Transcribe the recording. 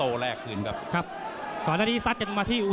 หรือว่าท่านขึ้นชกสึกล้างตาค่อนข้างจะพลาดยากทั้งคู่